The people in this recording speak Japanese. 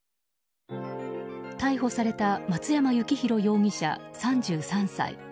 逮捕された松山幸弘容疑者、３３歳。